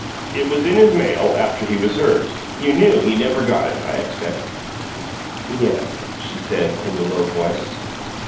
"It was in his mail, after he was hurt. You knew he never got it, I expect." "Yes," she said, in a low voice.